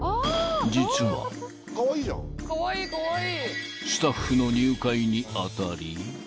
［実はスタッフの入会に当たり］